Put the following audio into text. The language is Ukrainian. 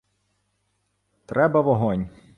— Треба вогонь.